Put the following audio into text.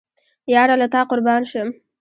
یاره له تا قربان شم